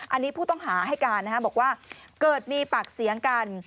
อันนี้ผู้ต้องหาให้การนะครับบอกว่าเกิดมีปากเสียงกัน